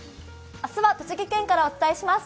明日は栃木県からお伝えします。